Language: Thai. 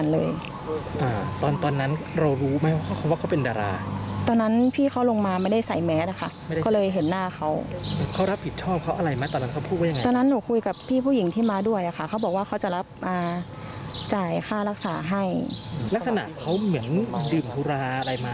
ลักษณะเขาเหมือนดื่มขุระอะไรมาไหมหรือยังไงนะ